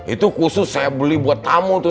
itu khusus saya beli buat tamu tuh